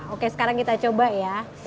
oke sekarang kita coba ya